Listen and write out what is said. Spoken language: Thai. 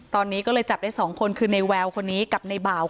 ตอนนี้ก็เลยจับได้๒คนคือในแววคนนี้กับในบ่าว